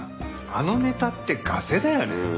あのネタってガセだよね？